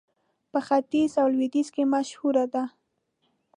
په ختيځ او لوېديځ کې مشهوره ده.